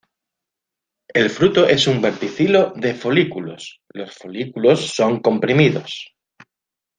El fruto es un verticilo de folículos, los folículos son comprimidos.